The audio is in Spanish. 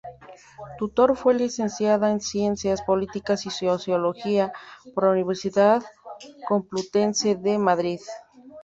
Tutor fue Licenciada en Ciencias Políticas y Sociología por la Universidad Complutense de Madrid.